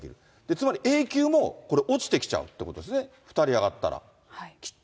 つまりＡ級もこれ、落ちてきちゃうっていうことですね、２人上がったら、きっと。